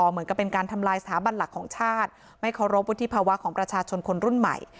เหมือนกับเป็นการทำลายสถาบันหลักของชาติไม่เคารพวุฒิภาวะของประชาชนคนรุ่นใหม่